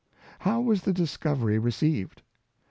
How was the discovery received?